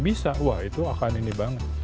bisa wah itu akan ini bangun